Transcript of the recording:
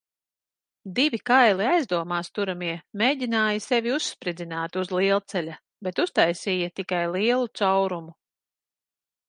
Divi kaili aizdomās turamie mēģināja sevi uzspridzināt uz lielceļa, bet uztaisīja tikai lielu caurumu.